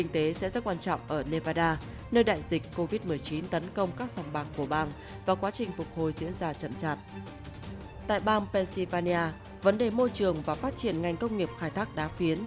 tại bang pennsylvania vấn đề môi trường và phát triển ngành công nghiệp khai thác đá phiến